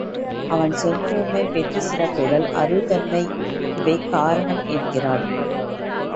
அவன் செங்கோன்மை, வெற்றிச் சிறப்புகள், அருள் தன்மை இவை காரணம் என்கிறாள்.